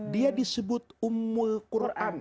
dia disebut ummul quran